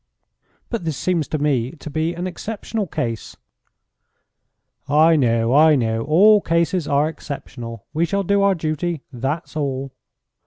"But this seems to me to be an exceptional case." "I know, I know! All cases are exceptional. We shall do our duty. That's all."